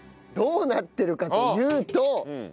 どうなってるかというと。